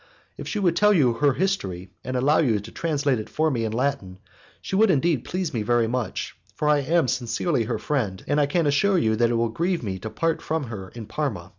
If she would tell you her history, and allow you to translate it for me in Latin she would indeed please me much, for I am sincerely her friend, and I can assure you that it will grieve me to part from her in Parma.